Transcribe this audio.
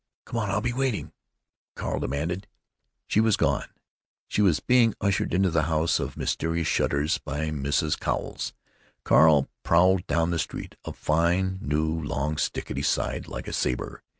"Come on. I'll be waiting," Carl demanded. She was gone. She was being ushered into the House of Mysterious Shutters by Mrs. Cowles. Carl prowled down the street, a fine, new, long stick at his side, like a saber.